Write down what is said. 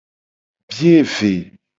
Biye ve.